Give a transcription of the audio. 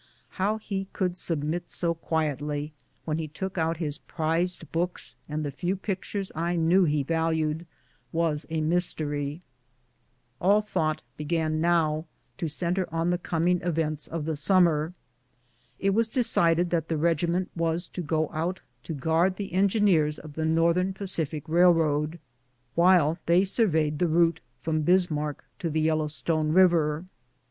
How he could submit so quietly, when he took out his prized books and the few pictures I knew that he valued, was a mystery. All thought began now to centre on the coming events of the summer. It was decided that the regiment was to go out to guard the engineers of the Northern Pacific Railroad while they surveyed the route from Bismarck to the Yellowstone River.